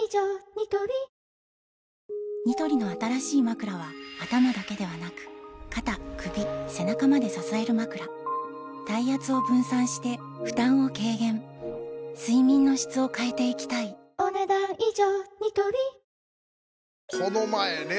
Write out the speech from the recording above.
ニトリニトリの新しいまくらは頭だけではなく肩・首・背中まで支えるまくら体圧を分散して負担を軽減睡眠の質を変えていきたいお、ねだん以上。